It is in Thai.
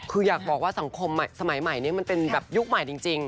คืออยากบอกว่าสังคมสมัยใหม่นี้มันเป็นแบบยุคใหม่จริง